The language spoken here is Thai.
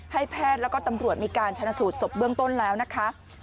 ให้แพทย์แล้วก็ตำรวจมีการชนะสูตรศพเบื้องต้นแล้วนะคะ